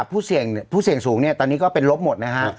ผู้เสี่ยงสูงเนี่ยตอนนี้ก็เป็นลบหมดนะฮะ